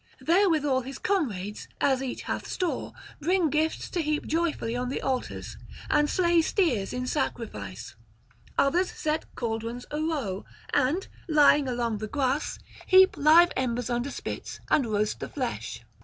Therewithal his comrades, as each hath store, bring gifts to heap joyfully on the altars, and slay steers in sacrifice: others set cauldrons arow, and, lying along the grass, heap live embers under spits and roast the flesh.